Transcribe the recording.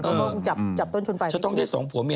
เขาก็จับต้นชนไป